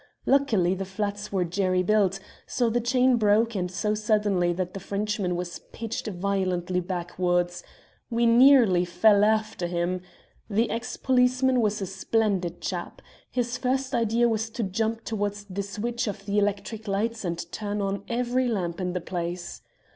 Luckily the flats were jerry built, so the chain broke, and so suddenly that the Frenchman was pitched violently backwards. We nearly fell after him. The ex policeman was a splendid chap. His first idea was to jump towards the switch of the electric lights and turn on every lamp in the place.